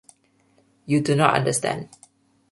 You do not understand.